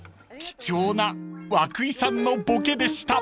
［貴重な和久井さんのボケでした］